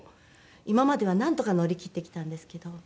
今まではなんとか乗りきってきたんですけど。